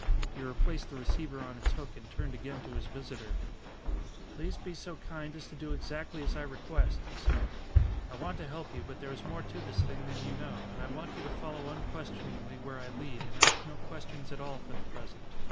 He replaced the receiver on its hook and turned again to his visitor. "Please be so kind as to do exactly as I request," he said. "I want to help you, but there is more to this thing than you know and I want you to follow unquestioningly where I lead and ask no questions at all for the present.